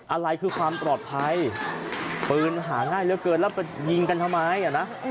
อะไรคือความปลอดภัยปืนหาง่ายเหลือเกินแล้วไปยิงกันทำไมอ่ะนะ